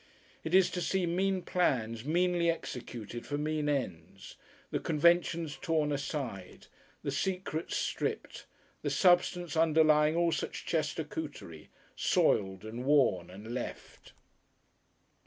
It is to see mean plans meanly executed for mean ends, the conventions torn aside, the secrets stripped, the substance underlying all such Chester Cootery, soiled and worn and left.